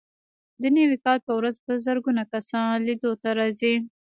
د نوي کال په ورځ په زرګونه کسان لیدو ته راځي.